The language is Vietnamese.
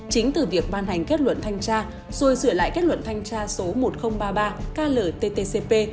chính từ việc ban hành kết luận thanh tra rồi sửa lại kết luận thanh tra số một nghìn ba mươi ba klttcp